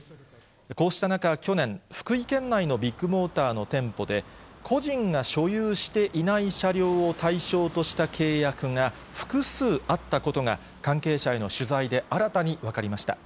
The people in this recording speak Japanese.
こうした中、去年、福井県内のビッグモーターの店舗で、個人が所有していない車両を対象とした契約が複数あったことが関係者への取材で新たに分かりました。